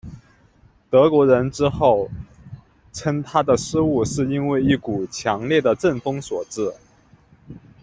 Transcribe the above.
德国人之后称他的失误是因为一股强烈的阵风所致。